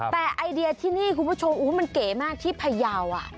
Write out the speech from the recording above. แต่ไอเดียที่นี่คุณผู้ชมมันเก๋มากที่พยาว